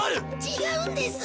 違うんです！